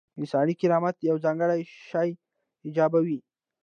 انساني کرامت یو ځانګړی شی ایجابوي.